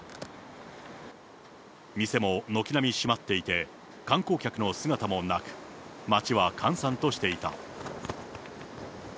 店も軒並み閉まっていて、観光客の姿もなく、街は閑散としていた。